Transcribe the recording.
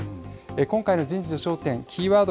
今回の人事の焦点キーワード